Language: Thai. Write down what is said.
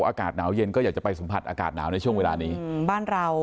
อากาศหนาวเย็นก็อยากจะไปสัมผัสอากาศหนาวในช่วงเวลานี้อืมบ้านเรา